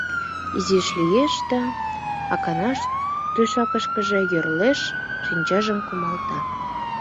Изиш лиеш, да Акнаш тӧшакышкыже йӧрлеш, шинчажым кумалта.